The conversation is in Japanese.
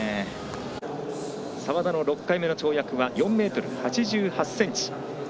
澤田の６回目の跳躍は４ｍ８８ｃｍ。